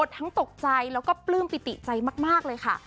ทั้งตกใจแล้วก็ปลื้มปิติใจมากเลยค่ะ